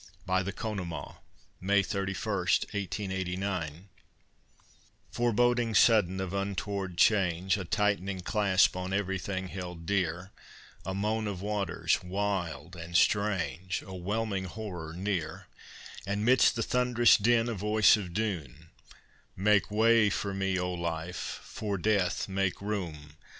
BY THE CONEMAUGH [May 31, 1889] Foreboding sudden of untoward change, A tight'ning clasp on everything held dear, A moan of waters wild and strange, A whelming horror near; And, 'midst the thund'rous din a voice of doom, "Make way for me, O Life, for Death make room!